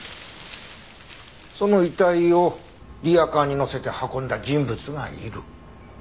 その遺体をリヤカーにのせて運んだ人物がいる。